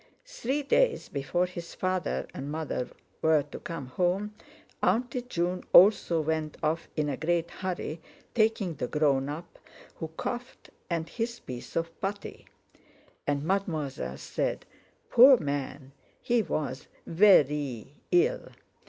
Three days before his father and mother were to come home "Auntie" June also went off in a great hurry, taking the "grown up" who coughed and his piece of putty; and Mademoiselle said: "Poor man, he was veree ill.